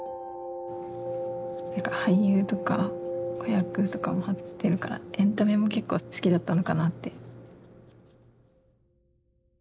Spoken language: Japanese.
俳優とか子役とかも貼ってるからエンタメも結構好きだったのかなって。